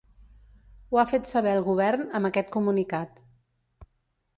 Ho ha fet saber el govern amb aquest comunicat.